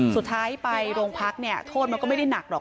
สุดท้ายไปโรงพักเนี่ยโทษมันก็ไม่ได้หนักหรอก